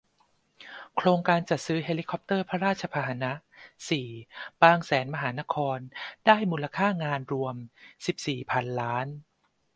โครงการจัดซื้อเฮลิคอปเตอร์พระราชพาหนะ สี่ บางแสนมหานคร ได้มูลค่างานรวม สิบสี่ พันล้าน